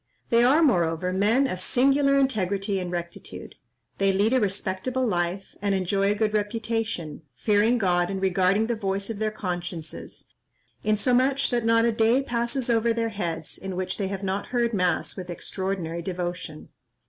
They are, moreover, men of singular integrity and rectitude. They lead a respectable life, and enjoy a good reputation, fearing God and regarding the voice of their consciences, insomuch that not a day passes over their heads in which they have not heard mass with extraordinary devotion.